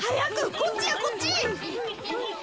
こっちやこっち。